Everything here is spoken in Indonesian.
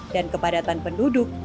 dan kepadatan penduduk